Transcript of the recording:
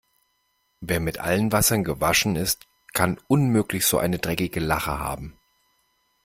Wer mit allen Wassern gewaschen ist, kann unmöglich so eine dreckige Lache haben.